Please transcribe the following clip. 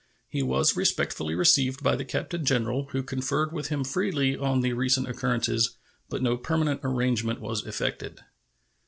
He was respectfully received by the Captain General, who conferred with him freely on the recent occurrences, but no permanent arrangement was effected.